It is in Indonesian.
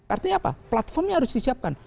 artinya apa platformnya harus disiapkan